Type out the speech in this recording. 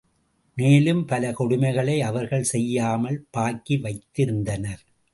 மேலும் பல கொடுமைகளை அவர்கள் செய்யாமல் பாக்கி வைத்திருந்தனர்.